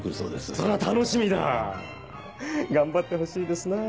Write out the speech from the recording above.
それは楽しみだ！頑張ってほしいですね。